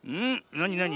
なになに？